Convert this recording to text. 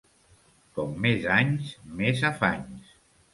Com més anys, més afanys.